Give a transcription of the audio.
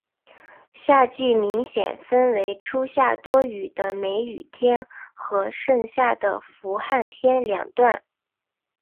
夏季明显分为初夏多雨的梅雨天和盛夏的伏旱天两段。